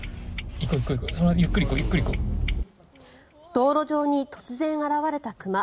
道路上に突然、現れた熊。